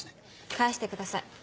返してください。